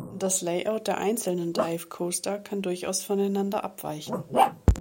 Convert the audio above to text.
Das Layout der einzelnen Dive Coaster kann durchaus voneinander abweichen.